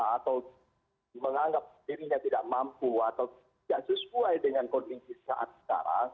atau menganggap dirinya tidak mampu atau tidak sesuai dengan kondisi saat sekarang